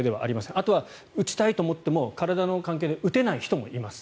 あとは打ちたいと思っても体の関係で打てない人もいます。